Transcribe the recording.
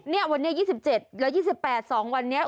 เนี่ยวันนี้๒๗และ๒๘๒วันนี้